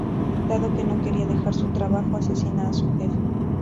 Dado que no quería dejar su trabajo, asesina a su jefe.